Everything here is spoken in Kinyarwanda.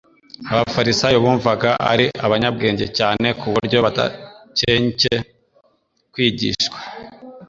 Abafarisayo bumvaga ari abanyabwenge cyane ku buryo badakencye kwigishwa,